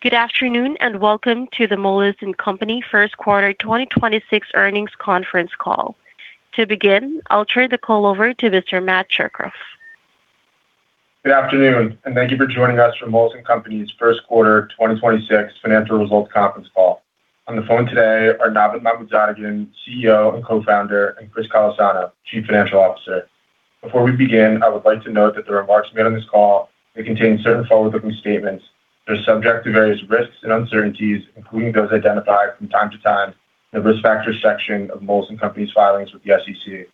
Good afternoon, welcome to the Moelis & Company first quarter 2026 earnings conference call. To begin, I'll turn the call over to Mr. Matthew Tsukroff. Good afternoon, thank you for joining us for Moelis & Company's first quarter 2026 financial results conference call. On the phone today are Navid Mahmoodzadegan, CEO and co-founder, and Christopher Callesano, Chief Financial Officer. Before we begin, I would like to note that the remarks made on this call may contain certain forward-looking statements that are subject to various risks and uncertainties, including those identified from time to time in the Risk Factors section of Moelis & Company's filings with the SEC.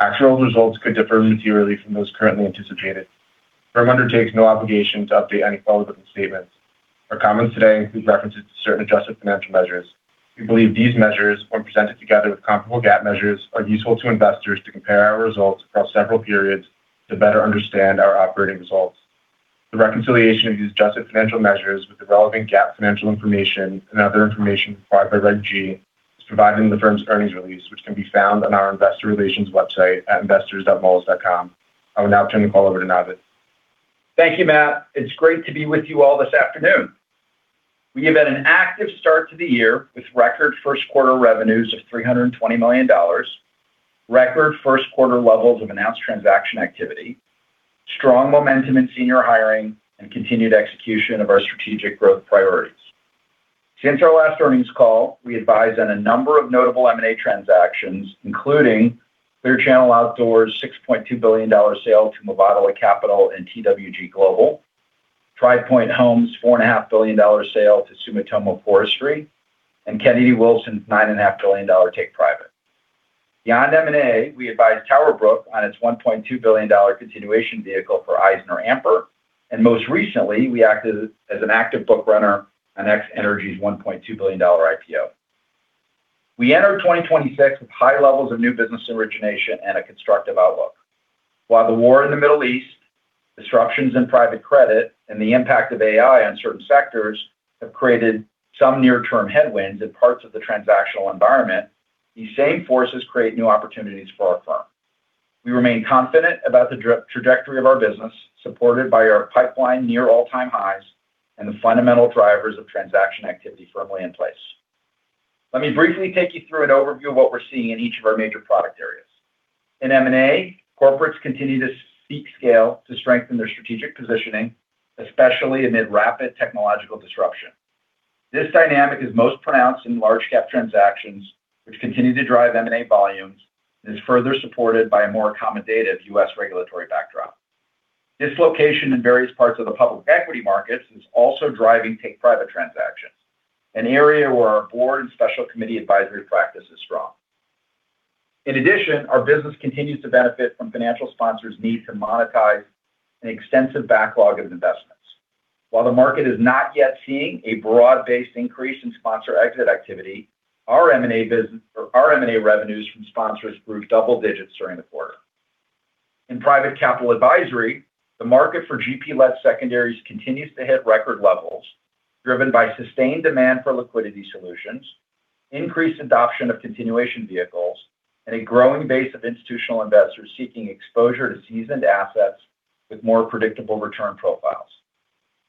Actual results could differ materially from those currently anticipated. The firm undertakes no obligation to update any forward-looking statements. Our comments today include references to certain adjusted financial measures. We believe these measures, when presented together with comparable GAAP measures, are useful to investors to compare our results across several periods to better understand our operating results. The reconciliation of these adjusted financial measures with the relevant GAAP financial information and other information required by Regulation G is provided in the firm's earnings release, which can be found on our investor relations website at investors.moelis.com. I will now turn the call over to Navid. Thank you, Matt. It's great to be with you all this afternoon. We have had an active start to the year with record first quarter revenues of $320 million, record first quarter levels of announced transaction activity, strong momentum in senior hiring, and continued execution of our strategic growth priorities. Since our last earnings call, we advised on a number of notable M&A transactions, including Clear Channel Outdoors' $6.2 billion sale to Mubadala Capital and TWG Global, Tri Pointe Homes' four and a half billion dollars sale to Sumitomo Forestry, and Kennedy Wilson's nine and a half billion dollars take private. Beyond M&A, we advised TowerBrook on its $1.2 billion continuation vehicle for EisnerAmper, and most recently, we acted as an active book runner on X-energy's $1.2 billion IPO. We entered 2026 with high levels of new business origination and a constructive outlook. While the war in the Middle East, disruptions in private credit, and the impact of AI on certain sectors have created some near-term headwinds in parts of the transactional environment, these same forces create new opportunities for our firm. We remain confident about the trajectory of our business, supported by our pipeline near all-time highs and the fundamental drivers of transaction activity firmly in place. Let me briefly take you through an overview of what we're seeing in each of our one major product areas. In M&A, corporates continue to seek scale to strengthen their strategic positioning, especially amid rapid technological disruption. This dynamic is most pronounced in large cap transactions, which continue to drive M&A volumes, and is further supported by a more accommodative U.S. regulatory backdrop. Dislocation in various parts of the public equity markets is also driving take private transactions, an area where our board and special committee advisory practice is strong. Our business continues to benefit from financial sponsors' need to monetize an extensive backlog of investments. While the market is not yet seeing a broad-based increase in sponsor exit activity, our M&A business or our M&A revenues from sponsors grew double digits during the quarter. In private capital advisory, the market for GP-led secondaries continues to hit record levels driven by sustained demand for liquidity solutions, increased adoption of continuation vehicles, and a growing base of institutional investors seeking exposure to seasoned assets with more predictable return profiles.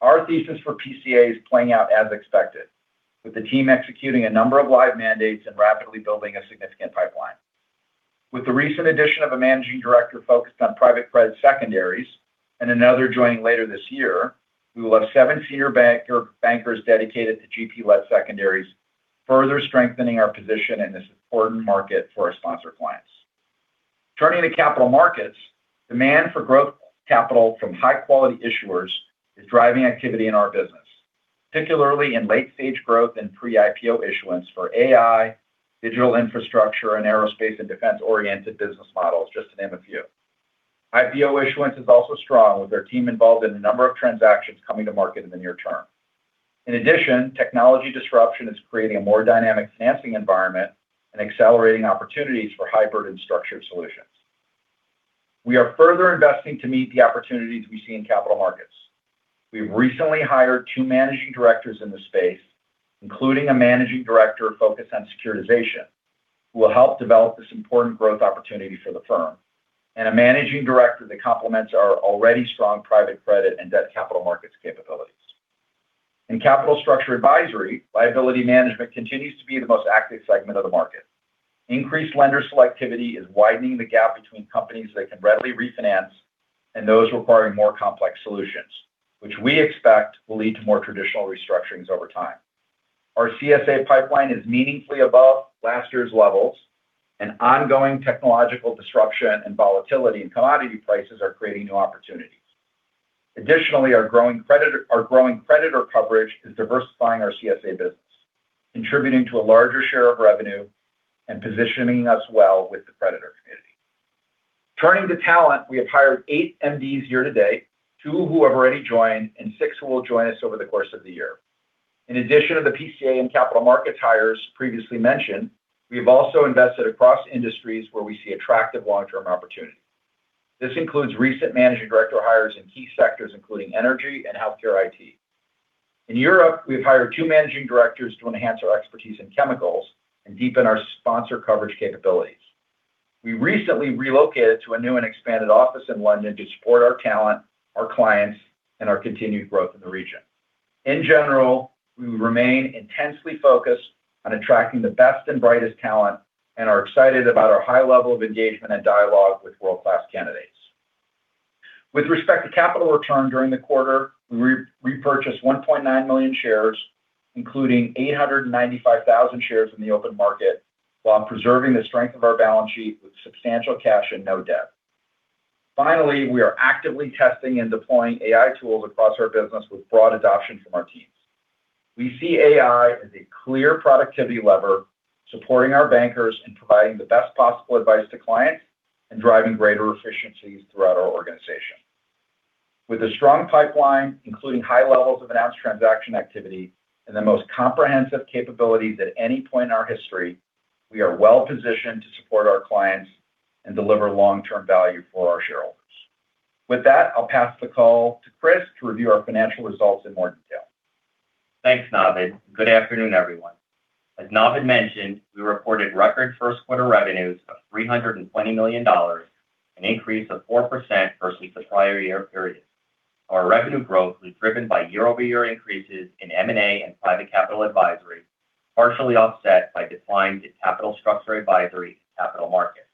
Our thesis for PCA is playing out as expected, with the team executing a number of live mandates and rapidly building a significant pipeline. With the recent addition of a managing director focused on private credit secondaries, and another joining later this year, we will have seven senior bankers dedicated to GP-led secondaries, further strengthening our position in this important market for our sponsor clients. Turning to capital markets, demand for growth capital from high-quality issuers is driving activity in our business, particularly in late-stage growth and pre-IPO issuance for AI, digital infrastructure, and aerospace and defense-oriented business models, just to name a few. IPO issuance is also strong, with our team involved in a number of transactions coming to market in the near term. Technology disruption is creating a more dynamic financing environment and accelerating opportunities for hybrid and structured solutions. We are further investing to meet the opportunities we see in capital markets. We've recently hired two managing directors in the space, including a managing director focused on securitization, who will help develop this important growth opportunity for the firm, and a managing director that complements our already strong private credit and debt capital markets capabilities. In capital structure advisory, liability management continues to be the most active segment of the market. Increased lender selectivity is widening the gap between companies that can readily refinance and those requiring more complex solutions, which we expect will lead to more traditional restructurings over time. Our CSA pipeline is meaningfully above last year's levels, ongoing technological disruption and volatility in commodity prices are creating new opportunities. Additionally, our growing creditor coverage is diversifying our CSA business, contributing to a larger share of revenue and positioning us well with the creditor community. Turning to talent, we have hired eight MDs year to date, two who have already joined and six who will join us over the course of the year. In addition to the PCA and capital markets hires previously mentioned, we have also invested across industries where we see attractive long-term opportunity. This includes recent managing director hires in key sectors, including energy and healthcare IT. In Europe, we've hired two managing directors to enhance our expertise in chemicals and deepen our sponsor coverage capabilities. We recently relocated to a new and expanded office in London to support our talent, our clients, and our continued growth in the region. In general, we remain intensely focused on attracting the best and brightest talent and are excited about our high level of engagement and dialogue with world-class candidates. With respect to capital return during the quarter, we re-repurchased 1.9 million shares, including 895,000 shares in the open market, while preserving the strength of our balance sheet with substantial cash and no debt. We are actively testing and deploying AI tools across our business with broad adoption from our teams. We see AI as a clear productivity lever, supporting our bankers and providing the best possible advice to clients and driving greater efficiencies throughout our organization. With a strong pipeline, including high levels of announced transaction activity and the most comprehensive capabilities at any point in our history, we are well-positioned to support our clients and deliver long-term value for our shareholders. I'll pass the call to Chris to review our financial results in more detail. Thanks, Navid. Good afternoon, everyone. As Navid mentioned, we reported record first quarter revenues of $320 million, an increase of 4% versus the prior year period. Our revenue growth was driven by year-over-year increases in M&A and private capital advisory, partially offset by declines in capital structure advisory and capital markets.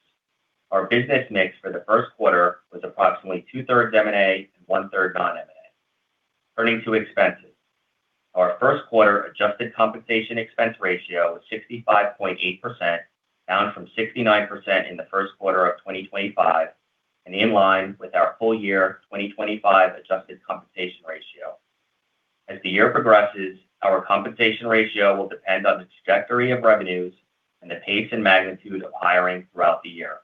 Our business mix for the first quarter was approximately 2/3 M&A and 1/3 non-M&A. Turning to expenses. Our first quarter adjusted compensation expense ratio was 65.8%, down from 69% in the first quarter of 2025, and in line with our full year 2025 adjusted compensation ratio. As the year progresses, our compensation ratio will depend on the trajectory of revenues and the pace and magnitude of hiring throughout the year.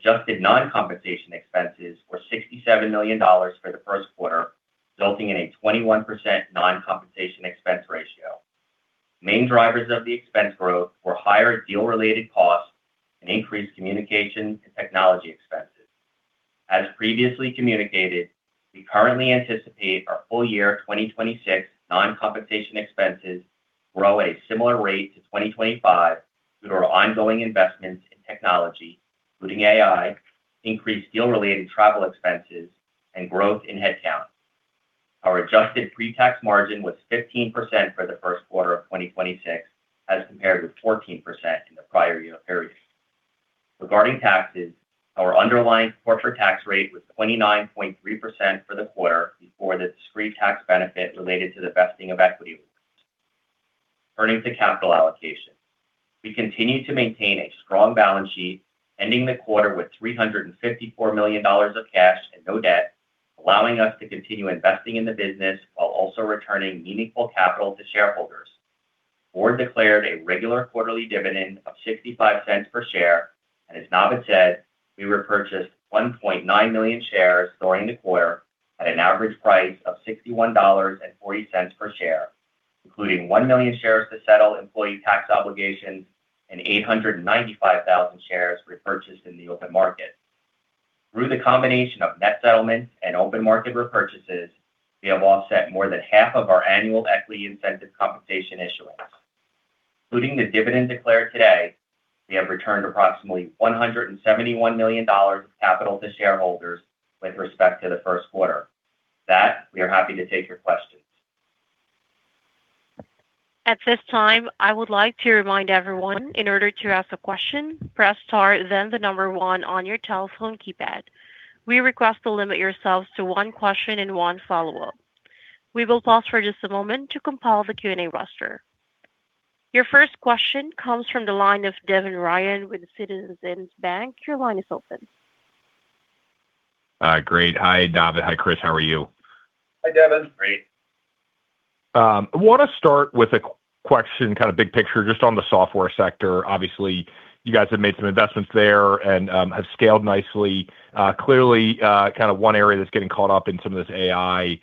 Adjusted non-compensation expenses were $67 million for the first quarter, resulting in a 21% non-compensation expense ratio. Main drivers of the expense growth were higher deal-related costs and increased communication and technology expenses. As previously communicated, we currently anticipate our full year 2026 non-compensation expenses to grow a similar rate to 2025 through our ongoing investments in technology, including AI, increased deal-related travel expenses, and growth in headcount. Our adjusted pre-tax margin was 15% for the first quarter of 2026, as compared with 14% in the prior year period. Regarding taxes, our underlying corporate tax rate was 29.3% for the quarter before the discrete tax benefit related to the vesting of equity. Turning to capital allocation. We continue to maintain a strong balance sheet, ending the quarter with $354 million of cash and no debt, allowing us to continue investing in the business while also returning meaningful capital to shareholders. The board declared a regular quarterly dividend of $0.65 per share. As Navid said, we repurchased 1.9 million shares during the quarter at an average price of $61.40 per share, including 1 million shares to settle employee tax obligations and 895,000 shares repurchased in the open market. Through the combination of net settlements and open market repurchases, we have offset more than half of our annual equity incentive compensation issuance. Including the dividend declared today, we have returned approximately $171 million capital to shareholders with respect to the first quarter. With that, we are happy to take your questions. Your first question comes from the line of Devin Ryan with Citizens JMP. Your line is open. Great. Hi, Navid. Hi, Chris. How are you? Hi, Devin. Great. I wanna start with a question, kind of big picture, just on the software sector. Obviously, you guys have made some investments there and have scaled nicely. Clearly, kind of one area that's getting caught up in some of this AI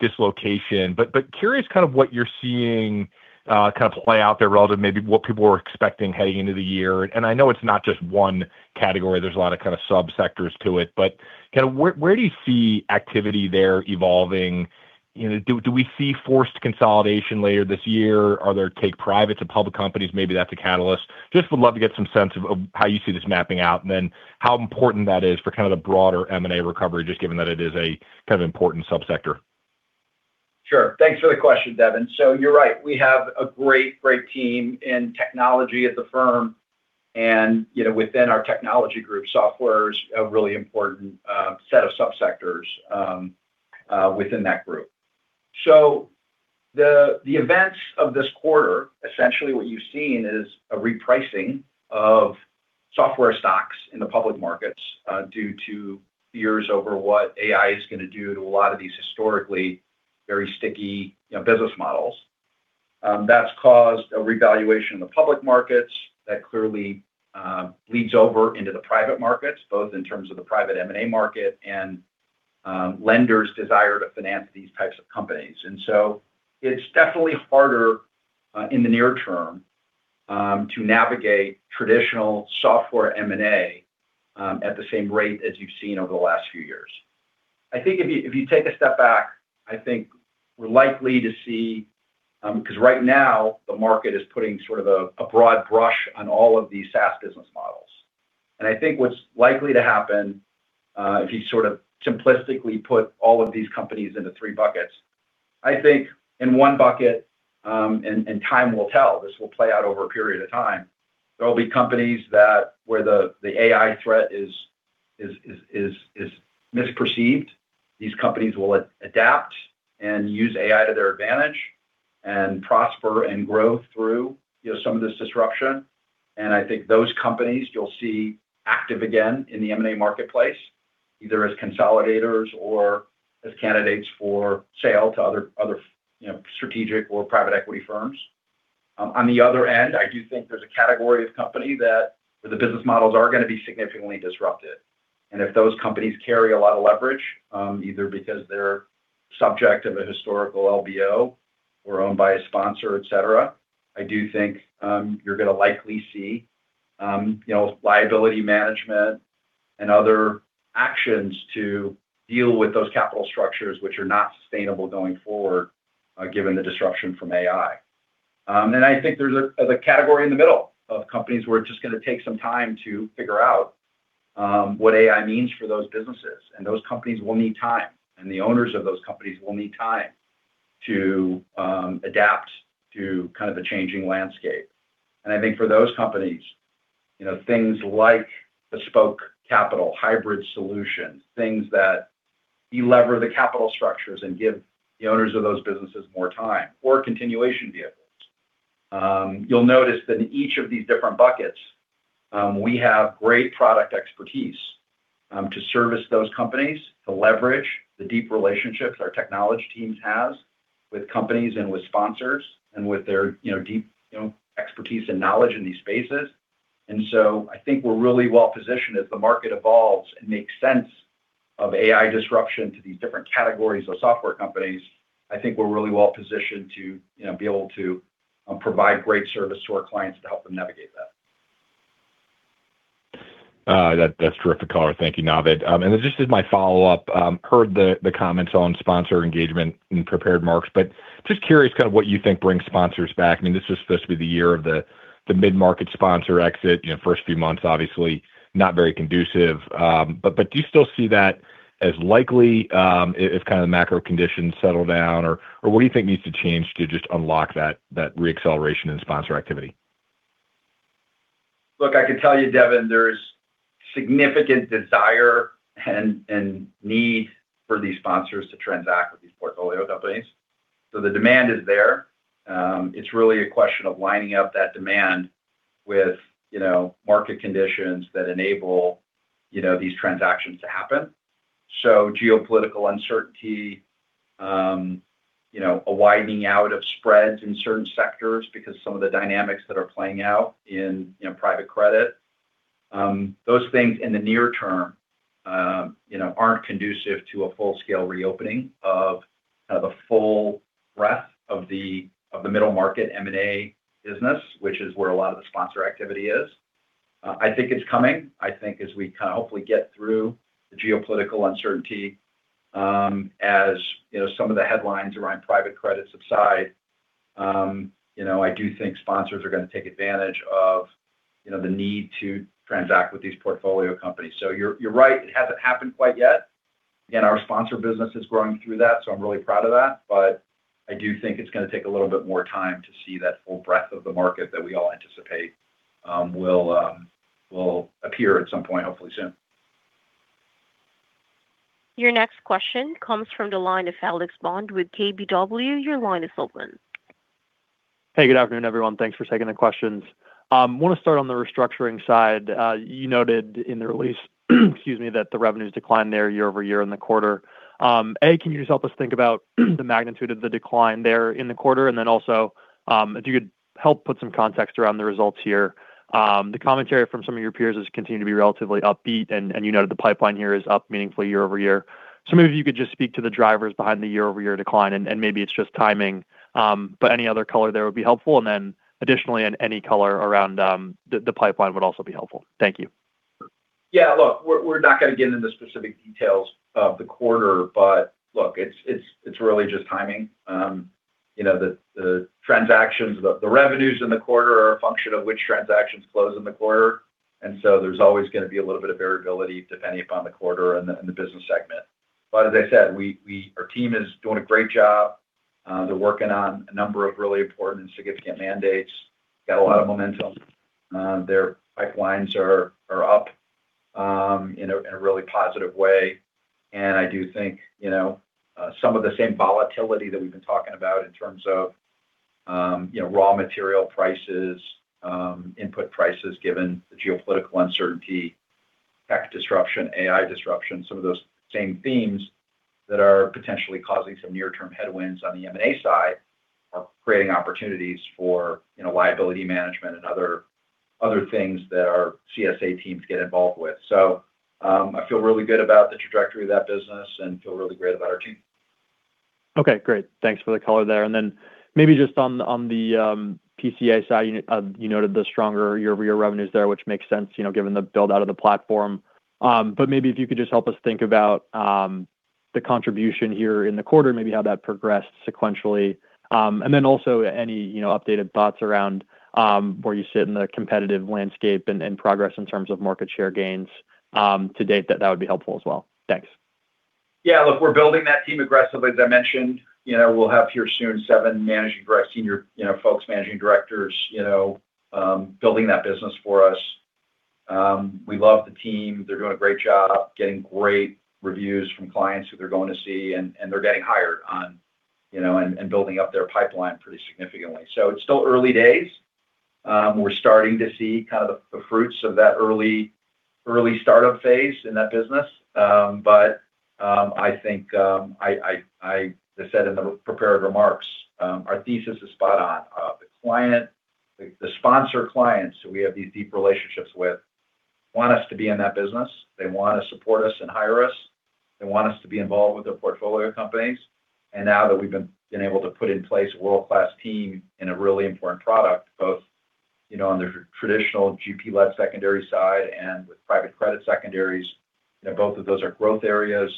dislocation. Curious kind of what you're seeing, kind of play out there relative maybe what people were expecting heading into the year. I know it's not just one category. There's a lot of kind of subsectors to it. Kind of where do you see activity there evolving? You know, do we see forced consolidation later this year? Are there take private to public companies? Maybe that's a catalyst. Would love to get some sense of how you see this mapping out, and then how important that is for kind of the broader M&A recovery, just given that it is a kind of important subsector. Sure. Thanks for the question, Devin. You're right. We have a great team in technology at the firm, and, you know, within our technology group, software is a really important set of subsectors within that group. The events of this quarter, essentially what you've seen is a repricing of software stocks in the public markets due to fears over what AI is gonna do to a lot of these historically very sticky, you know, business models. That's caused a revaluation of the public markets that clearly bleeds over into the private markets, both in terms of the private M&A market and lenders' desire to finance these types of companies. It's definitely harder in the near term to navigate traditional software M&A at the same rate as you've seen over the last few years. I think if you take a step back, I think we're likely to see, 'cause right now the market is putting sort of a broad brush on all of these SaaS business models. I think what's likely to happen, if you sort of simplistically put all of these companies into three buckets, I think in one bucket, and time will tell, this will play out over a period of time. There will be companies that where the AI threat is misperceived. These companies will adapt and use AI to their advantage and prosper and grow through, you know, some of this disruption. I think those companies you'll see active again in the M&A marketplace, either as consolidators or as candidates for sale to other, you know, strategic or private equity firms. On the other end, I do think there's a category of company that, where the business models are gonna be significantly disrupted. If those companies carry a lot of leverage, either because they're subject of a historical LBO or owned by a sponsor, etc, I do think, you know, liability management and other actions to deal with those capital structures which are not sustainable going forward, given the disruption from AI. I think there's a category in the middle of companies where it's just gonna take some time to figure out what AI means for those businesses, and those companies will need time, and the owners of those companies will need time to adapt to kind of the changing landscape. I think for those companies, you know, things like bespoke capital, hybrid solutions, things that de-lever the capital structures and give the owners of those businesses more time or continuation vehicles. You'll notice that in each of these different buckets, we have great product expertise to service those companies, to leverage the deep relationships our technology teams have with companies and with sponsors and with their, you know, deep, you know, expertise and knowledge in these spaces. I think we're really well positioned as the market evolves and makes sense of AI disruption to these different categories of software companies. I think we're really well positioned to, you know, be able to provide great service to our clients to help them navigate that. That, that's terrific color. Thank you, Navid. Just as my follow-up, heard the comments on sponsor engagement in prepared marks, but just curious kind of what you think brings sponsors back. I mean, this was supposed to be the year of the mid-market sponsor exit, you know, first few months obviously not very conducive. But do you still see that as likely, if kind of the macro conditions settle down? What do you think needs to change to just unlock that re-acceleration in sponsor activity? Look, I can tell you, Devin, there's significant desire and need for these sponsors to transact with these portfolio companies. The demand is there. It's really a question of lining up that demand with, you know, market conditions that enable, you know, these transactions to happen. Geopolitical uncertainty, you know, a widening out of spreads in certain sectors because some of the dynamics that are playing out in, you know, private credit, those things in the near term, you know, aren't conducive to a full-scale reopening of the full breadth of the middle market M&A business, which is where a lot of the sponsor activity is. I think it's coming. I think as we kind of hopefully get through the geopolitical uncertainty, as, you know, some of the headlines around private credit subside, you know, I do think sponsors are gonna take advantage of, you know, the need to transact with these portfolio companies. You're right. It hasn't happened quite yet, and our sponsor business is growing through that, so I'm really proud of that. I do think it's gonna take a little bit more time to see that full breadth of the market that we all anticipate, will appear at some point, hopefully soon. Your next question comes from the line of Alex Bolon with KBW. Your line is open. Hey, good afternoon, everyone. Thanks for taking the questions. Want to start on the restructuring side. You noted in the release, excuse me, that the revenues declined there year-over-year in the quarter. A, can you just help us think about the magnitude of the decline there in the quarter? Then also, if you could help put some context around the results here. The commentary from some of your peers has continued to be relatively upbeat and you noted the pipeline here is up meaningfully year-over-year. Maybe if you could just speak to the drivers behind the year-over-year decline and maybe it's just timing. Any other color there would be helpful. Then additionally, any color around the pipeline would also be helpful. Thank you. Yeah. Look, we're not gonna get into specific details of the quarter, but look, it's really just timing. You know, the transactions, the revenues in the quarter are a function of which transactions close in the quarter, there's always gonna be a little bit of variability depending upon the quarter and the business segment. As I said, our team is doing a great job. They're working on a number of really important and significant mandates. They've got a lot of momentum. Their pipelines are up in a really positive way. I do think, you know, some of the same volatility that we've been talking about in terms of, you know, raw material prices, input prices, given the geopolitical uncertainty, tech disruption, AI disruption, some of those same themes that are potentially causing some near-term headwinds on the M&A side are creating opportunities for, you know, liability management and other things that our CSA teams get involved with. I feel really good about the trajectory of that business and feel really great about our team. Okay, great. Thanks for the color there. Maybe just on the PCA side, you know, you noted the stronger year-over-year revenues there, which makes sense, you know, given the build-out of the platform. But maybe if you could just help us think about the contribution here in the quarter, maybe how that progressed sequentially. Also any, you know, updated thoughts around where you sit in the competitive landscape and progress in terms of market share gains to date. That would be helpful as well. Thanks. Yeah. Look, we're building that team aggressively. As I mentioned, you know, we'll have here soon seven managing direct senior, you know, folks, managing directors, you know, building that business for us. We love the team. They're doing a great job, getting great reviews from clients who they're going to see, and they're getting hired on, you know, and building up their pipeline pretty significantly. It's still early days. We're starting to see kind of the fruits of that early startup phase in that business. I think I said in the prepared remarks, our thesis is spot on. The sponsor clients we have these deep relationships with want us to be in that business. They want to support us and hire us. They want us to be involved with their portfolio companies. Now that we've been able to put in place a world-class team in a really important product, both, you know, on the traditional GP-led secondaries side and with private credit secondaries, you know, both of those are growth areas,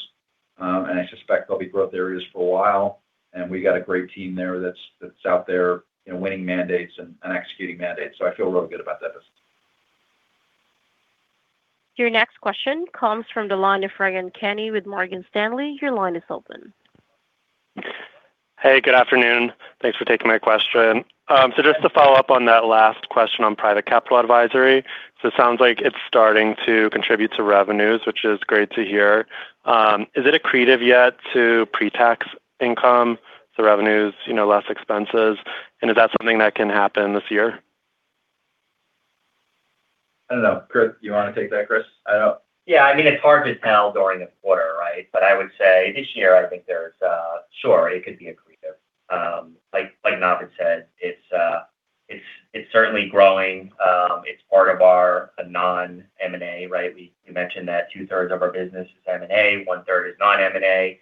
and I suspect they'll be growth areas for a while. We got a great team there that's out there, you know, winning mandates and executing mandates. I feel really good about that business. Your next question comes from the line of Ryan Kenny with Morgan Stanley. Your line is open. Hey, good afternoon. Thanks for taking my question. Just to follow up on that last question on private capital advisory. It sounds like it's starting to contribute to revenues, which is great to hear. Is it accretive yet to pre-tax income, so revenues, you know, less expenses? And is that something that can happen this year? I don't know. Chris, you want to take that, Chris? Yeah, I mean, it's hard to tell during the quarter, right? I would say this year, I think there's. Sure, it could be accretive. Like Navid said, it's certainly growing. It's part of our non-M&A, right? We mentioned that two-thirds of our business is M&A, one-third is non-M&A.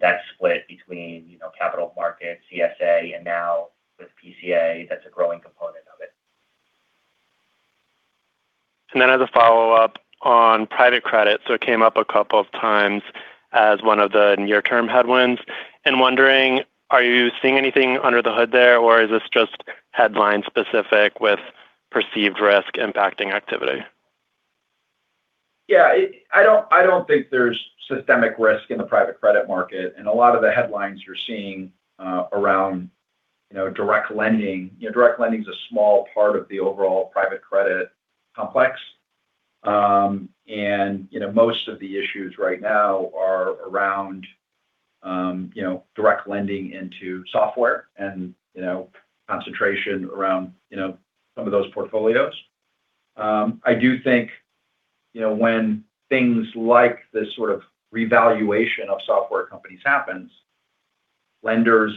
That's split between, you know, capital markets, CSA, and now with PCA, that's a growing component of it. As a follow-up on private credit, it came up a couple of times as one of the near-term headwinds, and wondering, are you seeing anything under the hood there, or is this just headline specific with perceived risk impacting activity? I don't think there's systemic risk in the private credit market. A lot of the headlines you're seeing, around, you know, direct lending. You know, direct lending is a small part of the overall private credit complex. You know, most of the issues right now are around, you know, direct lending into software and, you know, concentration around, you know, some of those portfolios. I do think, you know, when things like this sort of revaluation of software companies happens, lenders,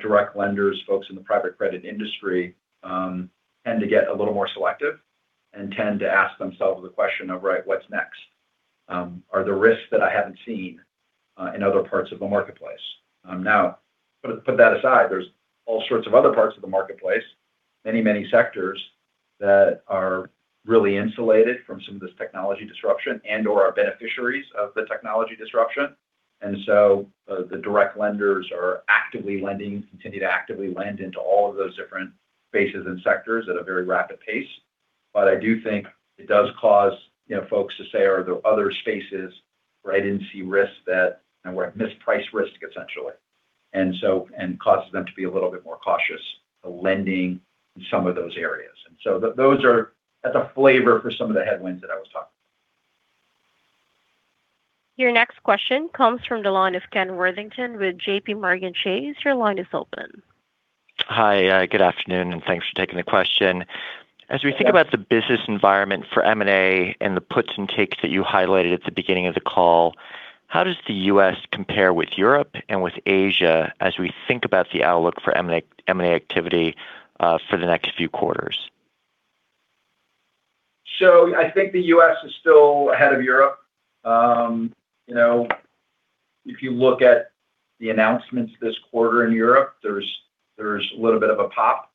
direct lenders, folks in the private credit industry, tend to get a little more selective and tend to ask themselves the question of, "Right, what's next? Are there risks that I haven't seen in other parts of the marketplace? Put that aside, there's all sorts of other parts of the marketplace, many, many sectors that are really insulated from some of this technology disruption and/or are beneficiaries of the technology disruption. The direct lenders are actively lending, continue to actively lend into all of those different spaces and sectors at a very rapid pace. I do think it does cause, you know, folks to say, "Are there other spaces where I didn't see risks that where I've mispriced risk, essentially?" and causes them to be a little bit more cautious lending in some of those areas. That's a flavor for some of the headwinds that I was talking about. Your next question comes from the line of Ken Worthington with JPMorgan Chase. Your line is open. Hi, good afternoon, and thanks for taking the question. Yes. As we think about the business environment for M&A and the puts and takes that you highlighted at the beginning of the call, how does the U.S. compare with Europe and with Asia as we think about the outlook for M&A, M&A activity, for the next few quarters? I think the U.S. is still ahead of Europe. You know, if you look at the announcements this quarter in Europe, there's a little bit of a pop.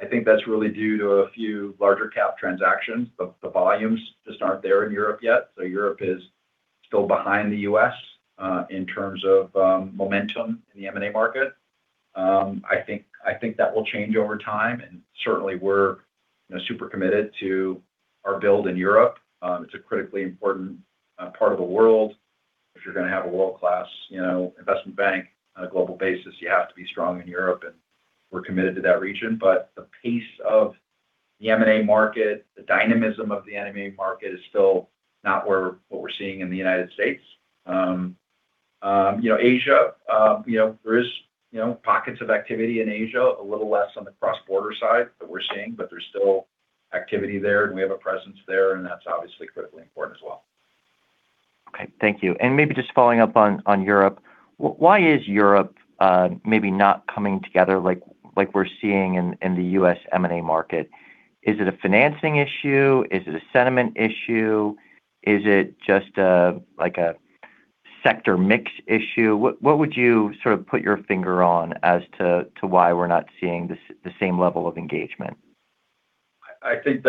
I think that's really due to a few larger cap transactions. The volumes just aren't there in Europe yet. Europe is still behind the U.S. in terms of momentum in the M&A market. I think that will change over time, and certainly we're, you know, super committed to our build in Europe. It's a critically important part of the world. If you're gonna have a world-class, you know, investment bank on a global basis, you have to be strong in Europe, and we're committed to that region. The pace of the M&A market, the dynamism of the M&A market is still not what we're seeing in the United States. You know, Asia, you know, there is, you know, pockets of activity in Asia, a little less on the cross-border side that we're seeing, but there's still activity there, and we have a presence there, and that's obviously critically important as well. Okay. Thank you. Maybe just following up on Europe. Why is Europe maybe not coming together like we're seeing in the U.S. M&A market? Is it a financing issue? Is it a sentiment issue? Is it just a, like a sector mix issue? What, what would you sort of put your finger on as to why we're not seeing the same level of engagement? It's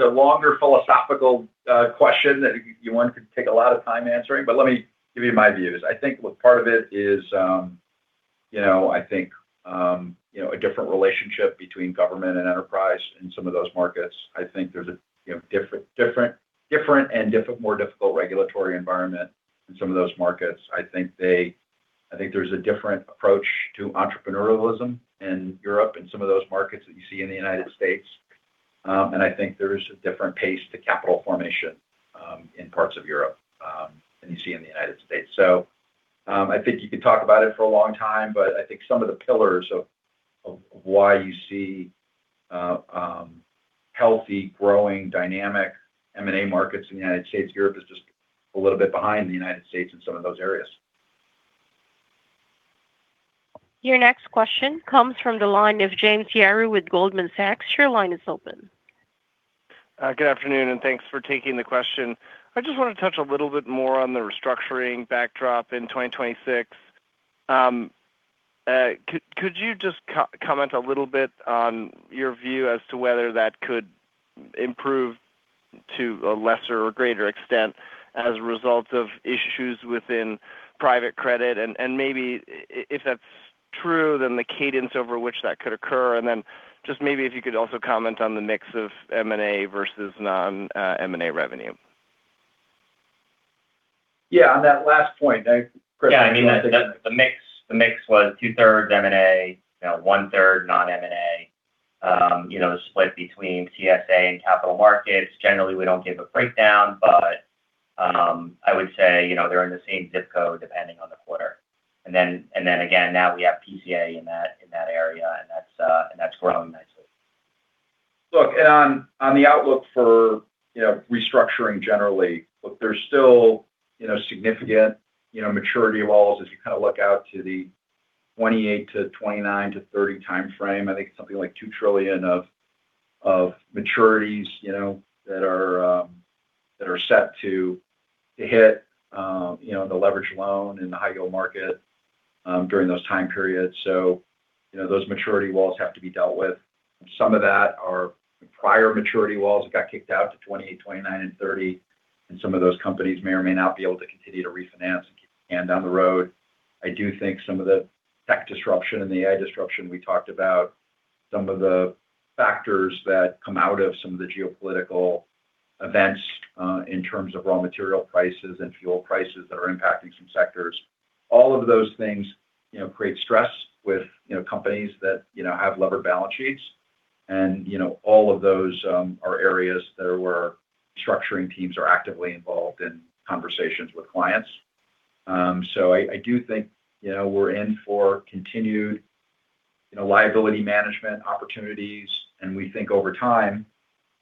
a longer philosophical question that could take a lot of time answering, but let me give you my views. I think part of it is, you know, I think, you know, a different relationship between government and enterprise in some of those markets. I think there's a, you know, different and more difficult regulatory environment in some of those markets. I think there's a different approach to entrepreneurialism in Europe and some of those markets that you see in the United States. I think there's a different pace to capital formation in parts of Europe than you see in the United States. I think you could talk about it for a long time, but I think some of the pillars of why you see, healthy, growing dynamic M&A markets in the United States, Europe is just a little bit behind the United States in some of those areas. Your next question comes from the line of James Yaro with Goldman Sachs. Your line is open. Good afternoon, Thanks for taking the question. I just wanna touch a little bit more on the restructuring backdrop in 2026. Could you just comment a little bit on your view as to whether that could improve to a lesser or greater extent as a result of issues within private credit? Maybe if that's true, the cadence over which that could occur. Just maybe if you could also comment on the mix of M&A versus non-M&A revenue. Yeah, on that last point, Chris. Yeah, I mean, the mix was two-thirds M&A, you know, one-third non-M&A. You know, split between CSA and capital markets. Generally, we don't give a breakdown. I would say, you know, they're in the same zip code, depending on the quarter. Again, now we have PCA in that area. That's growing nicely. Look, on the outlook for, you know, restructuring generally, look, there's still, you know, significant, you know, maturity walls as you kind of look out to the 2028 to 2029 to 2030 timeframe. I think it's something like $2 trillion of maturities, you know, that are set to hit, you know, the leverage loan and the high yield market during those time periods. You know, those maturity walls have to be dealt with. Some of that are prior maturity walls that got kicked out to 2028, 2029 and 2030, and some of those companies may or may not be able to continue to refinance down the road. I do think some of the tech disruption and the AI disruption we talked about, some of the factors that come out of some of the geopolitical events, in terms of raw material prices and fuel prices that are impacting some sectors. All of those things, you know, create stress with, you know, companies that, you know, have levered balance sheets. You know, all of those are areas where structuring teams are actively involved in conversations with clients. I do think, you know, we're in for continued, you know, liability management opportunities. We think over time,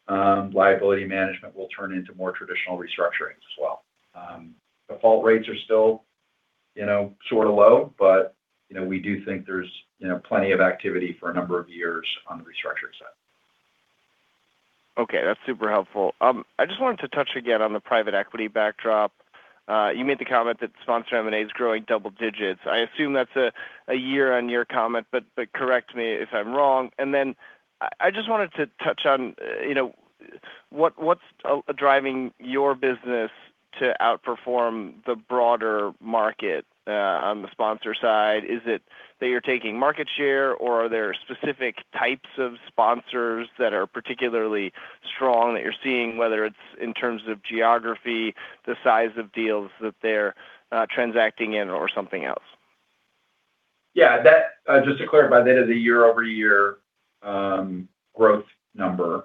liability management will turn into more traditional restructurings as well. Default rates are still, you know, sort of low, but, you know, we do think there's, you know, plenty of activity for a number of years on the restructuring side. Okay, that's super helpful. I just wanted to touch again on the private equity backdrop. You made the comment that sponsor M&A is growing double digits. I assume that's a year-on-year comment, but correct me if I'm wrong. I just wanted to touch on, you know, what's driving your business to outperform the broader market on the sponsor side? Is it that you're taking market share, or are there specific types of sponsors that are particularly strong that you're seeing, whether it's in terms of geography, the size of deals that they're transacting in or something else? Yeah, that, just to clarify, that is a year-over-year growth number.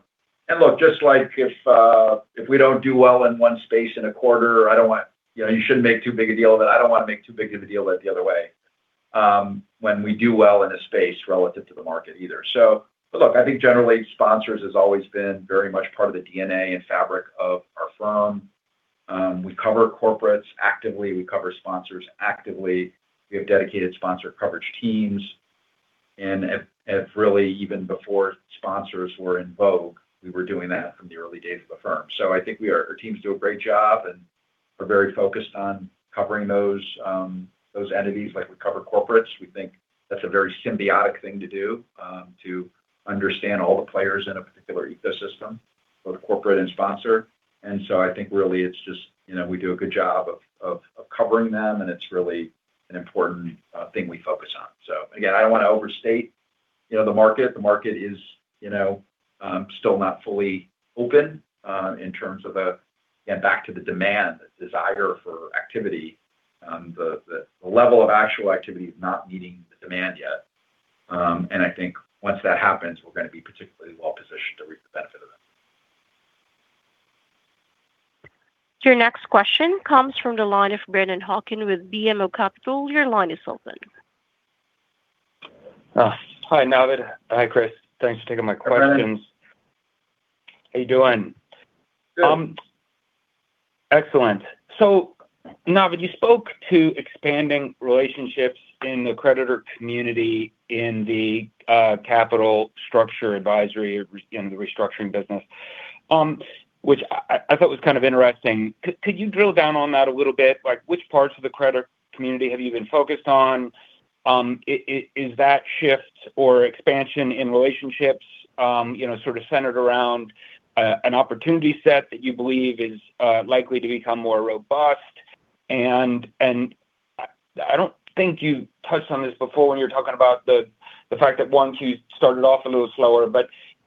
Look, just like if we don't do well in one space in a quarter, you know, you shouldn't make too big a deal of it. I don't wanna make too big of a deal of it the other way when we do well in a space relative to the market either. Look, I think generally sponsors has always been very much part of the DNA and fabric of our firm. We cover corporates actively. We cover sponsors actively. We have dedicated sponsor coverage teams. Really even before sponsors were in vogue, we were doing that from the early days of the firm. I think Our teams do a great job, and we're very focused on covering those entities like we cover corporates. We think that's a very symbiotic thing to do, to understand all the players in a particular ecosystem, both corporate and sponsor. I think really it's just, you know, we do a good job of covering them, and it's really an important thing we focus on. Again, I don't want to overstate, you know, the market. The market is, you know, still not fully open in terms of Again, back to the demand, the desire for activity. The level of actual activity is not meeting the demand yet. I think once that happens, we're gonna be particularly well positioned to reap the benefit of it. Your next question comes from the line of Brennan Hawken with BMO Capital Markets. Your line is open. Hi, Navid. Hi, Chris. Thanks for taking my questions. Hey. How you doing? Good. Excellent. Navid, you spoke to expanding relationships in the creditor community in the capital structure advisory in the restructuring business, which I thought was kind of interesting. Could you drill down on that a little bit? Like which parts of the creditor community have you been focused on? Is that shift or expansion in relationships, sort of centered around an opportunity set that you believe is likely to become more robust? I don't think you touched on this before when you were talking about the fact that one, two started off a little slower.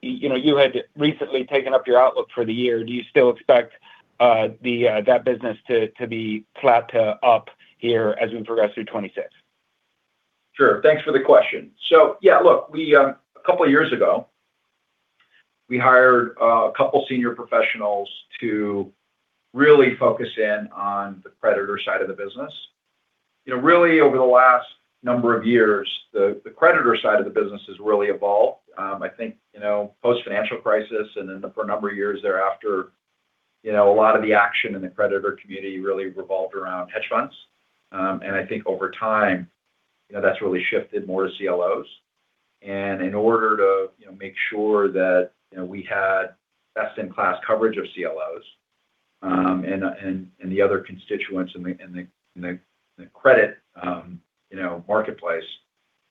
You had recently taken up your outlook for the year. Do you still expect that business to be flat to up here as we progress through 2026? Sure. Thanks for the question. Yeah, look, we, a couple of years ago, we hired a couple senior professionals to really focus in on the creditor side of the business. You know, really over the last number of years, the creditor side of the business has really evolved. I think, you know, post-financial crisis, and then for a number of years thereafter, you know, a lot of the action in the creditor community really revolved around hedge funds. I think over time, you know, that's really shifted more to CLOs. In order to, you know, make sure that, you know, we had best-in-class coverage of CLOs, and the other constituents in the credit, you know, marketplace.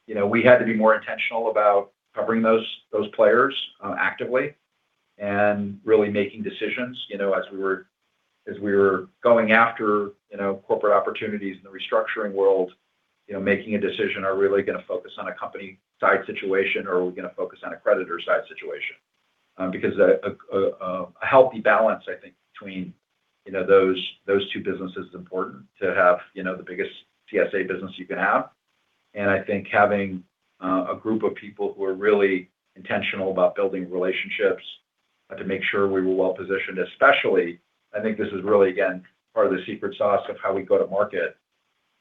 We had to be more intentional about covering those players actively and really making decisions. As we were going after corporate opportunities in the restructuring world, making a decision, are we really going to focus on a company-side situation or are we going to focus on a creditor-side situation? Because a healthy balance, I think, between those two businesses is important to have the biggest CSA business you can have. I think having a group of people who are really intentional about building relationships to make sure we were well-positioned, especially, I think this is really, again, part of the secret sauce of how we go to market.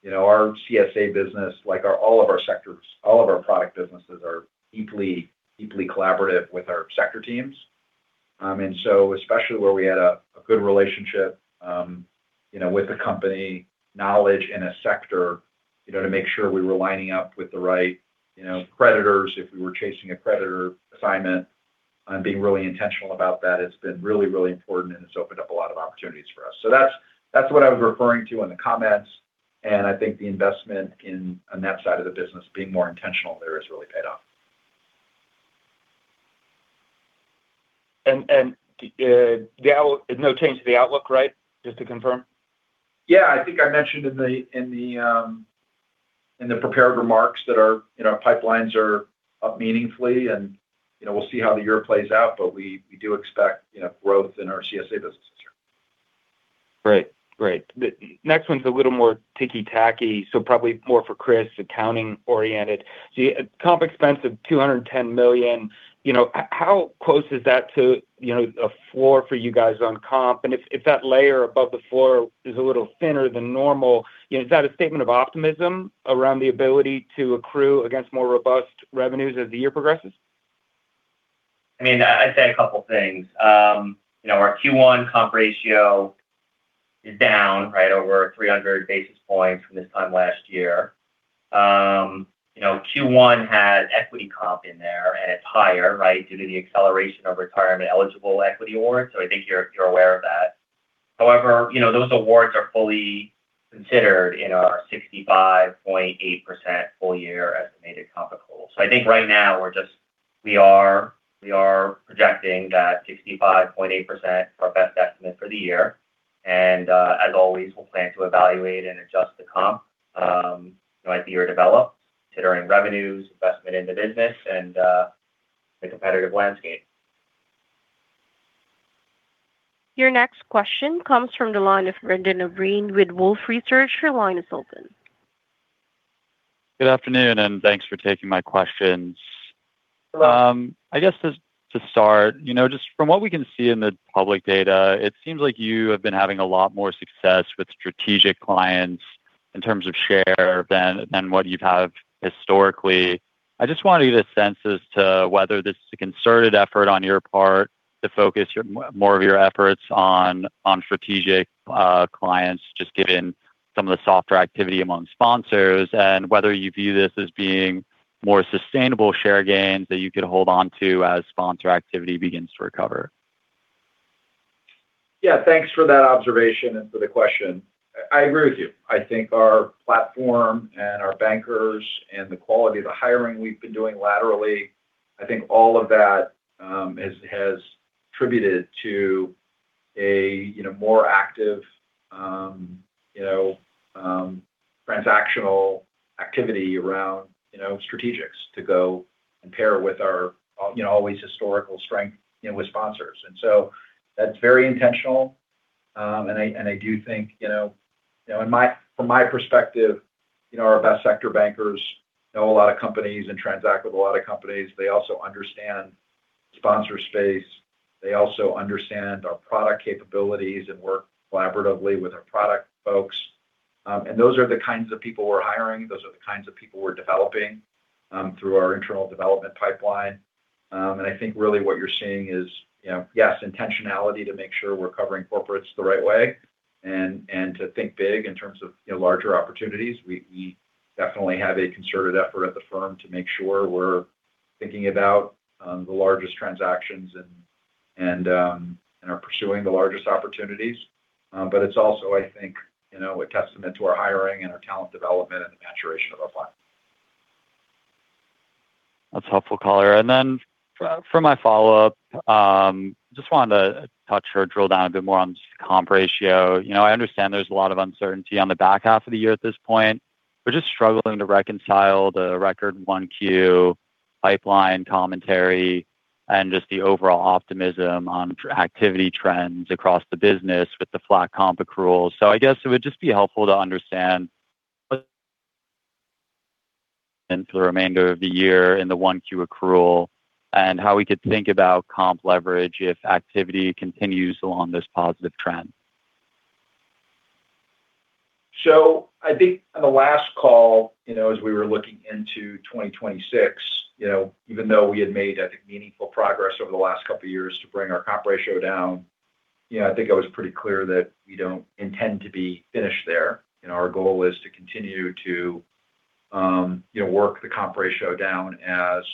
You know, our CSA business, like our, all of our sectors, all of our product businesses are deeply collaborative with our sector teams. Especially where we had a good relationship, you know, with the company, knowledge in a sector, you know, to make sure we were lining up with the right, you know, creditors if we were chasing a creditor assignment, being really intentional about that has been really, really important and it's opened up a lot of opportunities for us. That's what I was referring to in the comments. I think the investment on that side of the business, being more intentional there has really paid off. The no change to the outlook, right? Just to confirm. Yeah, I think I mentioned in the, in the, in the prepared remarks that our, you know, pipelines are up meaningfully and, you know, we'll see how the year plays out. We, we do expect, you know, growth in our CSA business this year. Great. Great. The next one's a little more ticky-tacky, so probably more for Chris, accounting-oriented. Comp expense of $210 million, you know, how close is that to, you know, the floor for you guys on comp? If that layer above the floor is a little thinner than normal, you know, is that a statement of optimism around the ability to accrue against more robust revenues as the year progresses? I mean, I'd say a couple of things. You know, our Q1 comp ratio is down, right, over 300 basis points from this time last year. You know, Q1 had equity comp in there, and it's higher, right, due to the acceleration of retirement-eligible equity awards, so I think you're aware of that. However, you know, those awards are fully considered in our 65.8% full year estimated comp goal. I think right now we are projecting that 65.8% is our best estimate for the year. As always, we'll plan to evaluate and adjust the comp throughout the year develop, considering revenues, investment in the business, and the competitive landscape. Your next question comes from the line of Brendan O'Brien with Wolfe Research, your line is open Good afternoon. Thanks for taking my questions. Hello. I guess just to start, you know, just from what we can see in the public data, it seems like you have been having a lot more success with strategic clients in terms of share than what you've had historically. I just wanted to get a sense as to whether this is a concerted effort on your part to focus more of your efforts on strategic clients, just given some of the softer activity among sponsors, and whether you view this as being more sustainable share gains that you could hold onto as sponsor activity begins to recover. Yeah. Thanks for that observation and for the question. I agree with you. I think our platform and our bankers and the quality of the hiring we've been doing laterally, I think all of that has attributed to a, you know, more active, you know, transactional activity around, you know, strategics to go and pair with our, you know, always historical strength, you know, with sponsors. That's very intentional. And I, and I do think, you know, you know, from my perspective, you know, our best sector bankers know a lot of companies and transact with a lot of companies. They also understand sponsor space. They also understand our product capabilities and work collaboratively with our product folks. Those are the kinds of people we're hiring, those are the kinds of people we're developing through our internal development pipeline. I think really what you're seeing is, you know, yes, intentionality to make sure we're covering corporates the right way and to think big in terms of, you know, larger opportunities. We definitely have a concerted effort at the firm to make sure we're thinking about the largest transactions and are pursuing the largest opportunities. It's also, I think, you know, a testament to our hiring and our talent development and the maturation of our plan. That's helpful, Collier. For my follow-up, just wanted to touch or drill down a bit more on comp ratio. You know, I understand there's a lot of uncertainty on the back half of the year at this point. We're just struggling to reconcile the record 1Q pipeline commentary and just the overall optimism on activity trends across the business with the flat comp accruals. I guess it would just be helpful to understand and for the remainder of the year in the 1Q accrual, and how we could think about comp leverage if activity continues along this positive trend. I think on the last call, you know, as we were looking into 2026, you know, even though we had made, I think, meaningful progress over the last couple of years to bring our comp ratio down, you know, I think I was pretty clear that we don't intend to be finished there. You know, our goal is to continue to, you know, work the comp ratio down as,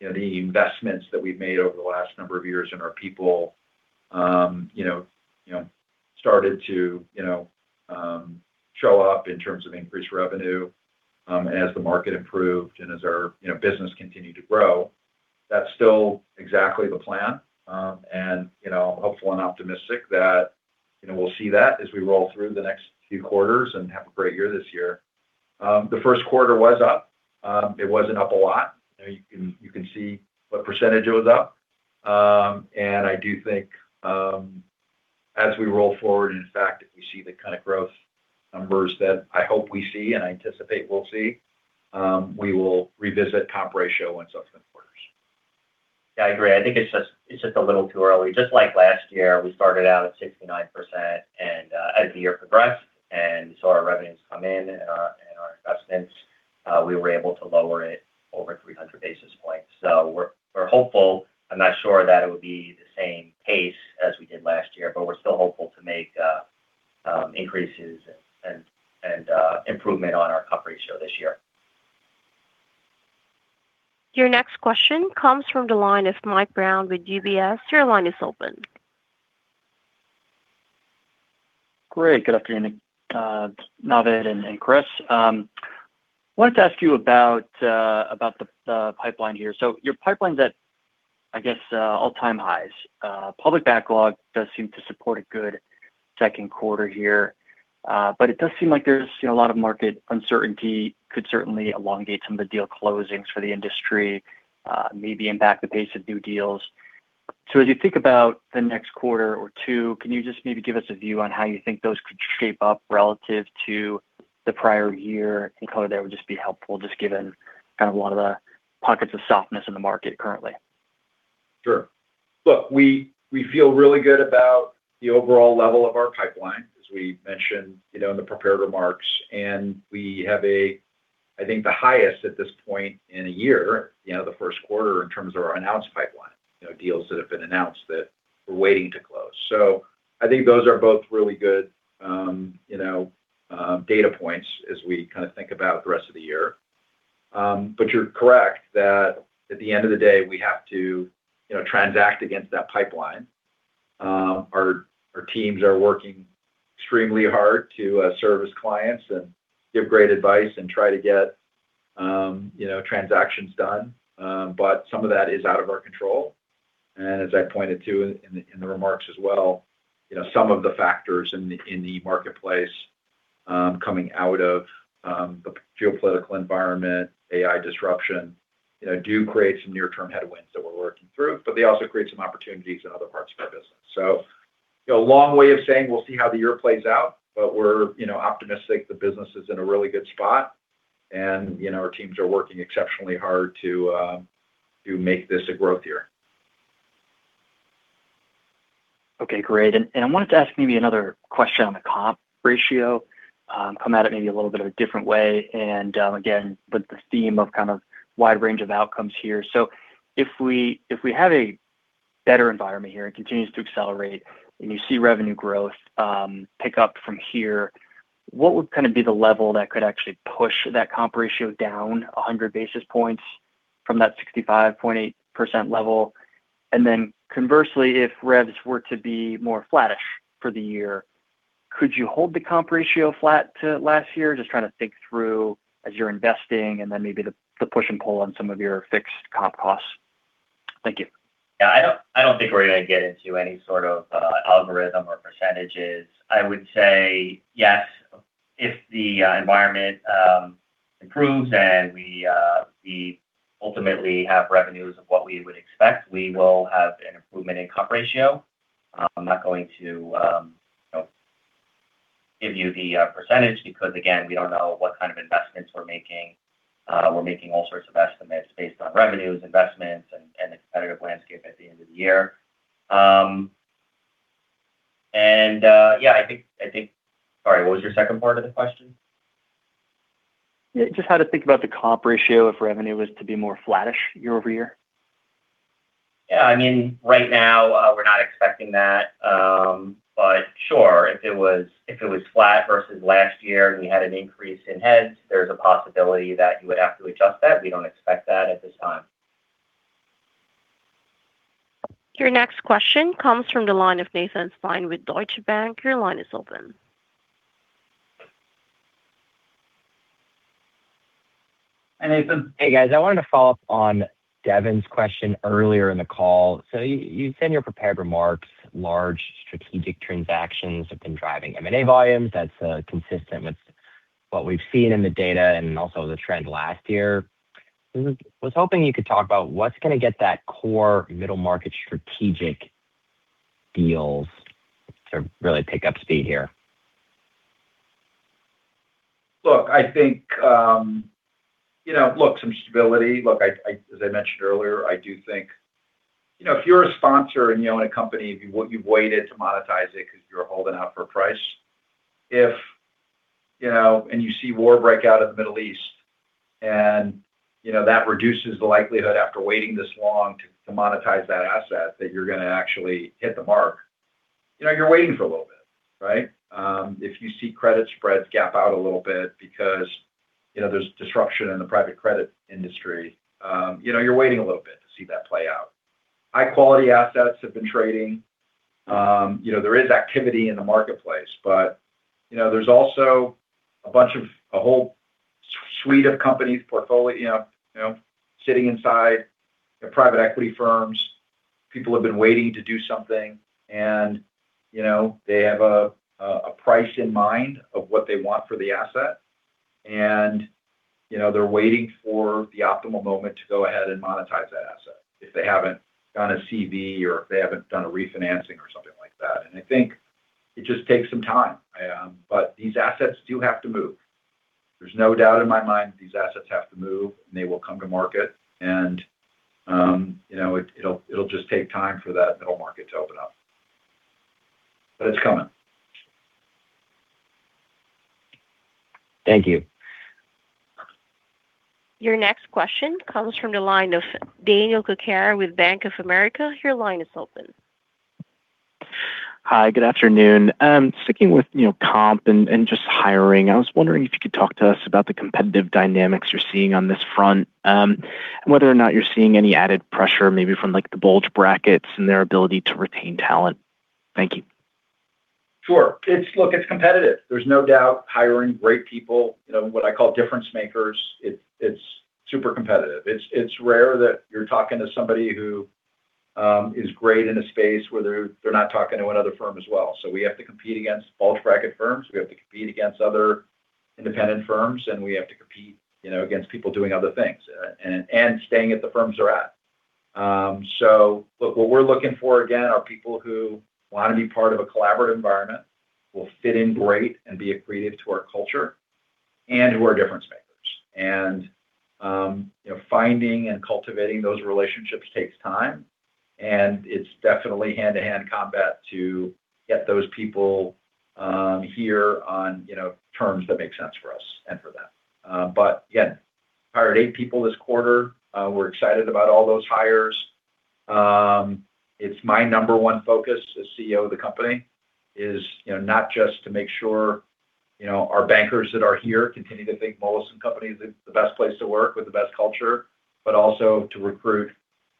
you know, the investments that we've made over the last number of years and our people, you know, started to, you know, show up in terms of increased revenue, as the market improved and as our, you know, business continued to grow. That's still exactly the plan. You know, hopeful and optimistic that, you know, we'll see that as we roll through the next few quarters and have a great year this year. The first quarter was up. It wasn't up a lot. You know, you can, you can see what percentage it was up. I do think, as we roll forward, in fact, if we see the kind of growth numbers that I hope we see and I anticipate we'll see, we will revisit comp ratio in subsequent quarters. Yeah, I agree. I think it's just a little too early. Just like last year, we started out at 69% and as the year progressed and we saw our revenues come in and our investments, we were able to lower it over 300 basis points. We're hopeful. I'm not sure that it would be the same pace as we did last year, but we're still hopeful to make increases and improvement on our comp ratio this year. Your next question comes from the line of Michael Brown with UBS. Your line is open. Great. Good afternoon, Navid and Chris. Wanted to ask you about the pipeline here. Your pipeline's at, I guess, all-time highs. Public backlog does seem to support a good second quarter here. It does seem like there's, you know, a lot of market uncertainty could certainly elongate some of the deal closings for the industry, maybe impact the pace of new deals. As you think about the next quarter or two, can you just maybe give us a view on how you think those could shape up relative to the prior year? Collier, that would just be helpful, just given kind of a lot of the pockets of softness in the market currently. Sure. Look, we feel really good about the overall level of our pipeline, as we mentioned, you know, in the prepared remarks. We have a, I think the highest at this point in a year, you know, the first quarter in terms of our announced pipeline. You know, deals that have been announced that we're waiting to close. I think those are both really good, you know, data points as we kind of think about the rest of the year. You're correct that at the end of the day, we have to, you know, transact against that pipeline. Our teams are working extremely hard to service clients and give great advice and try to get, you know, transactions done. Some of that is out of our control. As I pointed to in the, in the remarks as well, you know, some of the factors in the, in the marketplace, coming out of, the geopolitical environment, AI disruption, you know, do create some near-term headwinds that we're working through, but they also create some opportunities in other parts of our business. You know, long way of saying we'll see how the year plays out, but we're, you know, optimistic the business is in a really good spot. You know, our teams are working exceptionally hard to make this a growth year. Okay, great. I wanted to ask maybe another question on the comp ratio. Come at it maybe a little bit of a different way. Again, with the theme of kind of wide range of outcomes here. If we have a better environment here and continues to accelerate, and you see revenue growth, pick up from here, what would kind of be the level that could actually push that comp ratio down 100 basis points from that 65.8% level? Then conversely, if revs were to be more flattish for the year, could you hold the comp ratio flat to last year? Just trying to think through as you're investing and then maybe the push and pull on some of your fixed comp costs. Thank you. I don't, I don't think we're gonna get into any sort of algorithm or percentages. I would say yes, if the environment improves and we ultimately have revenues of what we would expect, we will have an improvement in comp ratio. I'm not going to, you know, give you the percentage because again, we don't know what kind of investments we're making. We're making all sorts of estimates based on revenues, investments. Competitive landscape at the end of the year. Yeah, I think. Sorry, what was your second part of the question? Yeah, just how to think about the comp ratio if revenue was to be more flattish year-over-year. Yeah, I mean, right now, we're not expecting that. Sure, if it was flat versus last year and we had an increase in heads, there's a possibility that you would have to adjust that. We don't expect that at this time. Your next question comes from the line of Nathan Stein with Deutsche Bank. Your line is open. Hey, Nathan. Hey, guys. I wanted to follow up on Devin's question earlier in the call. You said in your prepared remarks, large strategic transactions have been driving M&A volumes. That's consistent with what we've seen in the data and also the trend last year. I was hoping you could talk about what's gonna get that core middle market strategic deals to really pick up speed here. Look, I think, you know, look, some stability. Look, as I mentioned earlier, I do think, you know, if you're a sponsor and you own a company, if you've waited to monetize it 'cause you're holding out for a price, if, you know, and you see war break out in the Middle East and, you know, that reduces the likelihood after waiting this long to monetize that asset that you're gonna actually hit the mark, you know, you're waiting for a little bit, right? If you see credit spreads gap out a little bit because, you know, there's disruption in the private credit industry, you know, you're waiting a little bit to see that play out. High quality assets have been trading. You know, there is activity in the marketplace, but, you know, there's also a bunch of. a whole suite of companies portfolio, you know, sitting inside private equity firms. People have been waiting to do something and, you know, they have a price in mind of what they want for the asset and, you know, they're waiting for the optimal moment to go ahead and monetize that asset if they haven't done a CV or if they haven't done a refinancing or something like that. I think it just takes some time. These assets do have to move. There's no doubt in my mind these assets have to move, and they will come to market and, you know, it'll just take time for that middle market to open up. It's coming. Thank you. Your next question comes from the line of Daniel Cocca with Bank of America. Your line is open. Hi, good afternoon. Sticking with, you know, comp and just hiring, I was wondering if you could talk to us about the competitive dynamics you're seeing on this front, and whether or not you're seeing any added pressure maybe from like the bulge brackets and their ability to retain talent. Thank you. Sure. Look, it's competitive. There's no doubt hiring great people, you know, what I call difference makers, it's super competitive. It's rare that you're talking to somebody who is great in a space where they're not talking to one other firm as well. We have to compete against bulge bracket firms, we have to compete against other independent firms, and we have to compete, you know, against people doing other things, and staying at the firms they're at. Look, what we're looking for, again, are people who want to be part of a collaborative environment, will fit in great and be accretive to our culture, and who are difference makers. You know, finding and cultivating those relationships takes time, and it's definitely hand-to-hand combat to get those people here on, you know, terms that make sense for us and for them. Again, hired eight people this quarter. We're excited about all those hires. It's my number one focus as CEO of the company is, you know, not just to make sure, you know, our bankers that are here continue to think Moelis & Company is the best place to work with the best culture, but also to recruit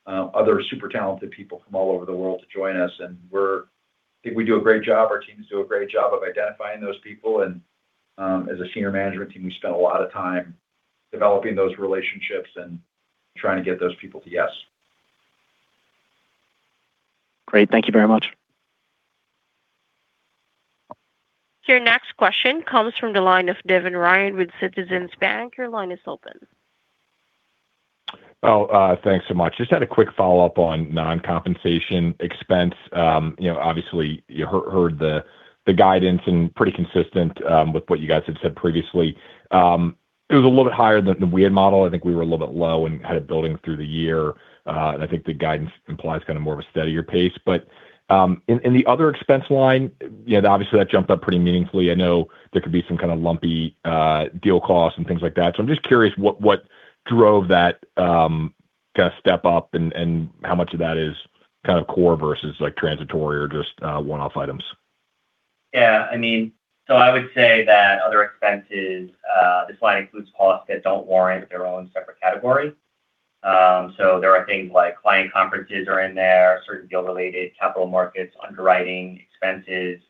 other super talented people from all over the world to join us. I think we do a great job. Our teams do a great job of identifying those people. As a senior management team, we spend a lot of time developing those relationships and trying to get those people to yes. Great. Thank you very much. Your next question comes from the line of Devin Ryan with Citizens JMP. Your line is open. Thanks so much. Just had a quick follow-up on non-compensation expense. You know, obviously you heard the guidance and pretty consistent with what you guys had said previously. It was a little bit higher than the WE model. I think we were a little bit low in kind of building through the year. And I think the guidance implies kind of more of a steadier pace. In the other expense line, you know, obviously that jumped up pretty meaningfully. I know there could be some kind of lumpy deal costs and things like that. I'm just curious what drove that kind of step up and how much of that is kind of core versus like transitory or just one-off items. I would say that other expenses, this line includes costs that don't warrant their own separate category. There are things like client conferences are in there, certain deal related capital markets, underwriting expenses,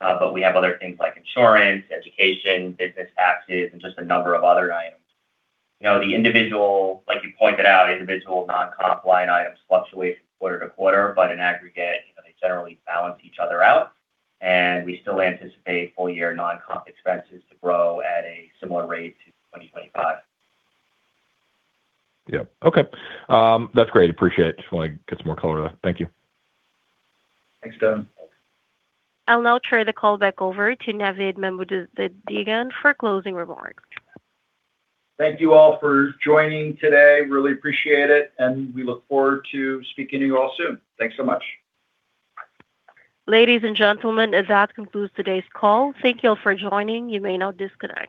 but we have other things like insurance, education, business taxes, and just a number of other items. You know, the individual, like you pointed out, individual non-comp line items fluctuate from quarter to quarter, but in aggregate, you know, they generally balance each other out, and we still anticipate full year non-comp expenses to grow at a similar rate to 2025. Yeah. Okay. That's great. Appreciate it. Just wanna get some more color. Thank you. Thanks, Devin. I'll now turn the call back over to Navid Mahmoodzadegan for closing remarks. Thank you all for joining today. Really appreciate it, and we look forward to speaking to you all soon. Thanks so much. Ladies and gentlemen, as that concludes today's call. Thank you all for joining. You may now disconnect.